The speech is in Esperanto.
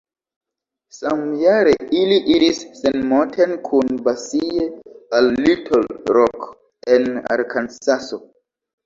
Samjare ili iris sen Moten kun Basie al Little Rock en Arkansaso.